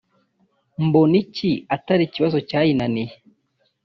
mbona iki atari ikibazo cyayinaniye